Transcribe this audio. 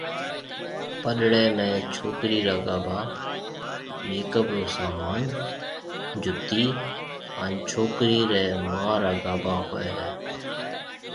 پڏݪيَ ۾ ڇوڪرِي را گھاڀا، ميڪ اپ رو سامان، جُتِي ھان ڇوڪرِي رِي مان را گھاڀا ھوئيَ ھيَََ